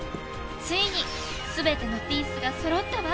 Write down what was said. ついにすべてのピースがそろったわ。